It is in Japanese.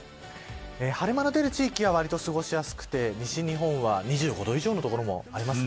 晴れ間の出る地域はわりと過ごしやすくて西日本は２５度以上の所もあります。